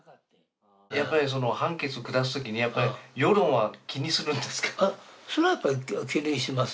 やっぱり判決を下すときに、世論は気にするんですか？